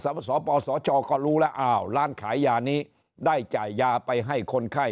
สปสชก็รู้แล้วอ้าวร้านขายยานี้ได้จ่ายยาไปให้คนไข้